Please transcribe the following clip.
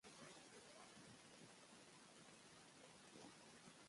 El nou d'octubre en Marc i na Carla aniran a Pontils.